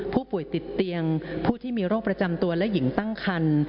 ผู้ป่วยติดเตียงผู้ที่มีโรคประจำตัวและหญิงตั้งคัน